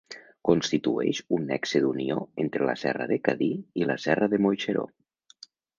Constitueix un nexe d'unió entre la serra de Cadí, i la serra de Moixeró.